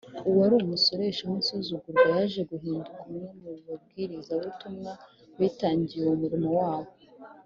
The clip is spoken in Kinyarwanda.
uwari umusoresha w’insuzugurwa yaje guhinduka umwe mu babwirizabutumwa bitangiye umurimo wabo